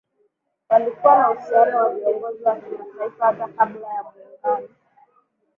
Walikuwa na uhusiano na viongozi wa kimataifa hata kabla ya Muungano